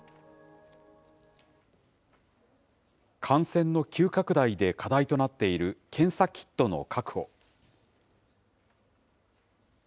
感染の急拡大で課題となっている検査キットの確保。